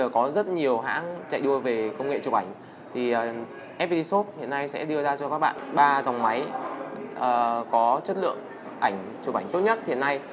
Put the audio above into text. có chất lượng chụp ảnh tốt nhất hiện nay